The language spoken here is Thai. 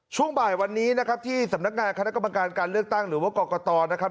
ช่วงบ่ายวันนี้นะครับที่สำนักงานคณะกรรมการการเลือกตั้งหรือว่ากรกตนะครับ